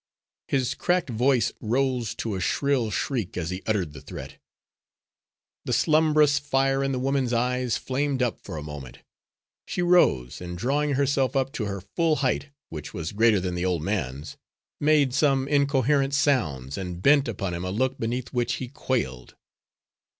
His cracked voice rose to a shrill shriek as he uttered the threat. The slumbrous fire in the woman's eyes flamed up for a moment. She rose, and drawing herself up to her full height, which was greater than the old man's, made some incoherent sounds, and bent upon him a look beneath which he quailed.